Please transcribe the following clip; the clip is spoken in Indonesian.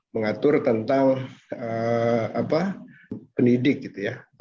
mengatur tentang pendidik gitu ya